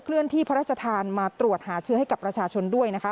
เลื่อนที่พระราชทานมาตรวจหาเชื้อให้กับประชาชนด้วยนะคะ